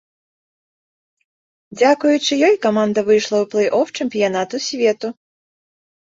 Дзякуючы ёй каманда выйшла ў плэй-оф чэмпіянату свету.